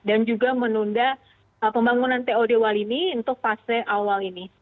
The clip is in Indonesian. dan juga menunda pembangunan tod awal ini untuk fase awal ini